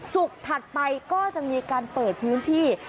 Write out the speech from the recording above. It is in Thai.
ถัดไปก็จะมีการเปิดพื้นที่